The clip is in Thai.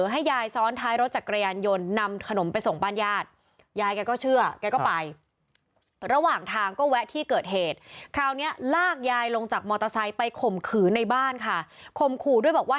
ให้ข่มขืนในบ้านค่ะข่มขู่ด้วยบอกว่า